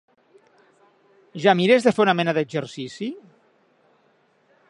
Ja mires de fer una mena d'exercici?